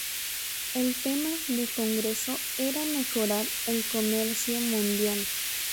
El tema del Congreso era mejorar el comercio mundial.